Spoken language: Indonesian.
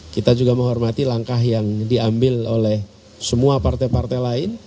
kita juga menghormati langkah yang diambil oleh semua partai partai lain